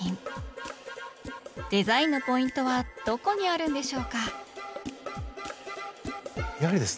デザインのポイントはどこにあるんでしょうか？